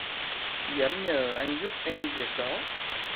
Dám nhờ anh giúp em việc đó